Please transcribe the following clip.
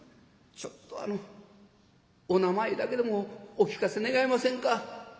ちょっとあのお名前だけでもお聞かせ願えませんか」。